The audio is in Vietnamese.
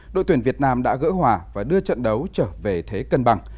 đội tuyển việt nam đã gỡ hòa và đưa trận đấu trở về thế cân bằng